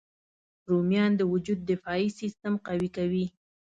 رومیان د وجود دفاعي سیسټم قوي کوي